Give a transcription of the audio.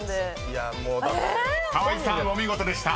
え⁉［河合さんお見事でした］